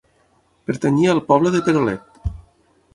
Pertanyia al poble de Perolet.